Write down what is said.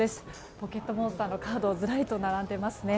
「ポケットモンスター」のカードがずらりと並んでいますね。